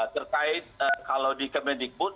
terkait kalau di kementikbud